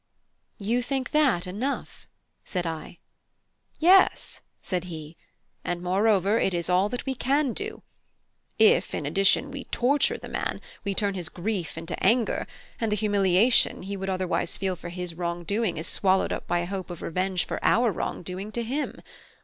"You think that enough?" said I. "Yes," said he, "and moreover it is all that we can do. If in addition we torture the man, we turn his grief into anger, and the humiliation he would otherwise feel for his wrong doing is swallowed up by a hope of revenge for our wrong doing to him.